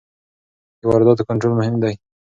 د وارداتو کنټرول مهم دی.